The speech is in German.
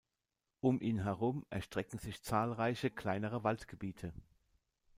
Um ihn herum erstrecken sich zahlreiche kleinere Waldgebiete.